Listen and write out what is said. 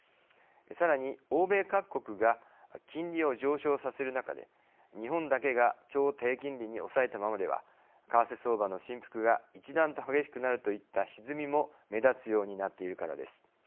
さらに欧米各国が金利を上昇させる中で日本だけが超低金利に抑えたままでは為替相場の振幅が一段と激しくなるといったひずみも目立つようになっているからです。